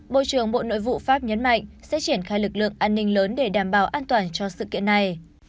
bộ trưởng bộ nội vụ pháp nhấn mạnh sẽ triển khai lực lượng an ninh lớn để đảm bảo an toàn cho sự kiện này